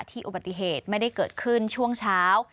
อุบัติเหตุไม่ได้เกิดขึ้นช่วงเช้า